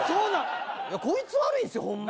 こいつ悪いんすよホンマ